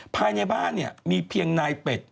ภายในบ้านเนี่ยมีเพียงนายเป็ด